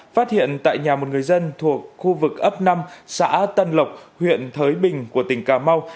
phát hiện tại nhà một người dân thuộc khu vực ấp năm xã tân lộc huyện thới bình của tỉnh cà mau